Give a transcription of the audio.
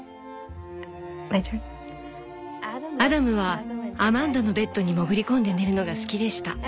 「アダムはアマンダのベッドにもぐり込んで寝るのが好きでした。